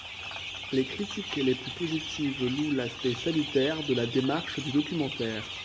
Les critiques les plus positives louent l'aspect salutaire de la démarche du documentaire.